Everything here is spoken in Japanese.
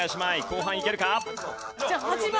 後半いけるか？